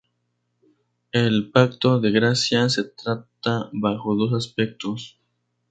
El pacto de gracia se trata bajo dos aspectos.